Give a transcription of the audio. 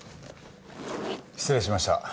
失礼しました。